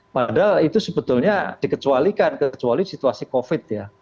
padahal itu sebetulnya dikecualikan kecuali situasi covid ya